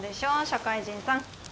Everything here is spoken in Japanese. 社会人さん。